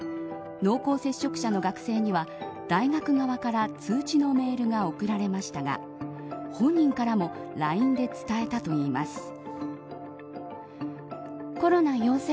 濃厚接触者の学生には大学側から通知のメールが送られましたが本人からもＬＩＮＥで伝えたといいます。